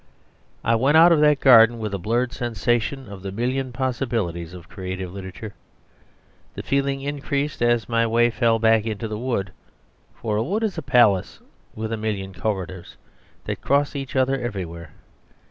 I went out of that garden with a blurred sensation of the million possibilities of creative literature. The feeling increased as my way fell back into the wood; for a wood is a palace with a million corridors that cross each other everywhere.